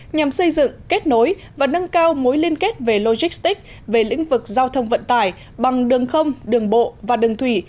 nhằm xây dựng kết nối và nâng cao mối liên kết về logistics về lĩnh vực giao thông vận tải bằng đường không đường bộ và đường thủy